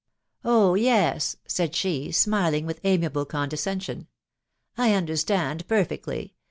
" Oh yes !" said she, smiling with amiable condescension, 'I understand perfectly